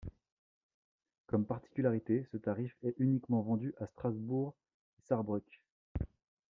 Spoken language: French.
Comme particularité, ce tarif est uniquement vendu à Strasbourg et Sarrebruck.